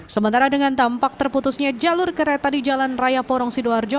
sementara dengan tampak terputusnya jalur kereta di jalan raya porong sidoarjo